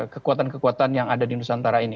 kekuatan kekuatan yang ada di nusantara ini